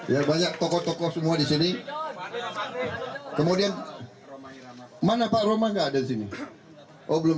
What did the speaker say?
ya banyak tokoh tokoh semua disini kemudian mana pak roma enggak ada di sini oh belum